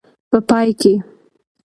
په پای کې.